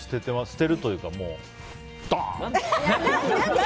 捨てるというか、ドーン！